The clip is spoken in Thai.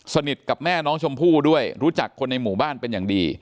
สนิทกับแม่น้องชมพู่ด้วยรู้จักคนในหมู่บ้านเป็นอย่างดี